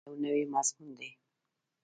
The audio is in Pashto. دا یو نوی مضمون دی.